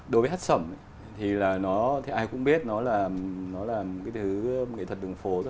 đối với hát sẩm thì là nó thì ai cũng biết nó là nó là một cái thứ nghệ thuật đường phố